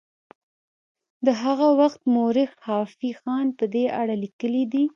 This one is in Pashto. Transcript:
د هغه وخت مورخ خافي خان په دې اړه لیکلي دي.